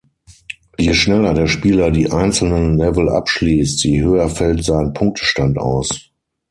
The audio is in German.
Je schneller der Spieler die einzelnen Level abschließt, je höher fällt sein Punktestand aus.